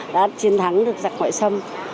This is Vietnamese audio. đã chiến thắng được giặc ngoại xâm